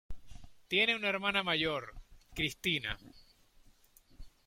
Tiene una hermana mayor, Cristina.